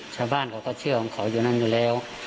ชาวบ้านเขาก็เชื่อของเขาอยู่นั่นอยู่แล้ว